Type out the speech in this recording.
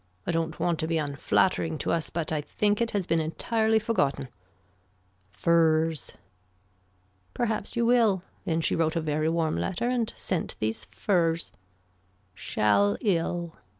I don't want to be unflattering to us but I think it has been entirely forgotten. Furs. Perhaps you will. Then she wrote a very warm letter and sent these furs. Shall ill.